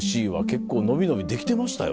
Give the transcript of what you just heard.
結構伸び伸びできてましたよ。